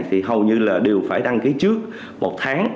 thì hầu như là đều phải đăng ký trước một tháng